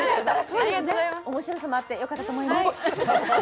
おもしろさもあってよかったと思います。